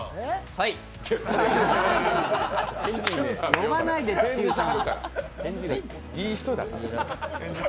呼ばないで、チウさん。